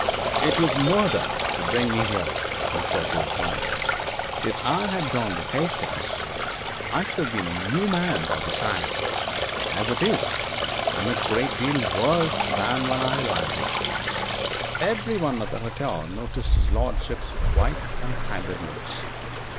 'It was murder to bring me here,' he said to his wife. 'If I had gone to Hastings I should have been a new man by this time. As it is I am a great deal worse than when I landed.' Everyone at the hotel noticed his lordship's white and haggard looks.